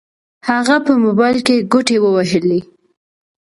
هغه په موبايل کې ګوتې ووهلې.